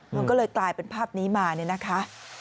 มันก็เลยกลายเป็นภาพนี้มาเนี่ยนะคะ